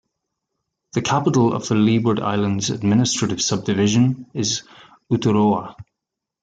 The capital of the Leeward Islands administrative subdivision is Uturoa.